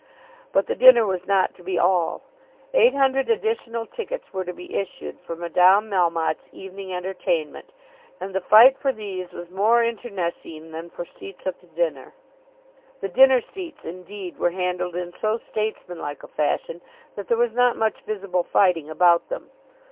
But the dinner was not to be all. Eight hundred additional tickets were to be issued for Madame Melmotte's evening entertainment, and the fight for these was more internecine than for seats at the dinner. The dinner seats, indeed, were handled in so statesmanlike a fashion that there was not much visible fighting about them.